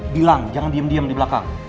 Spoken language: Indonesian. bilang jangan diem diam di belakang